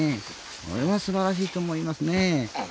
これは素晴らしいと思いますね。